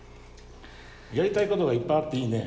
やりたい事がいっぱいあっていいね。